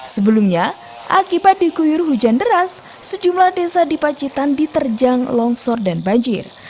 sebelumnya akibat dikuyur hujan deras sejumlah desa di pacitan diterjang longsor dan banjir